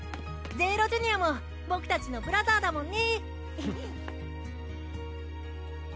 ゼーロジュニアも僕たちのブラザーだもんね！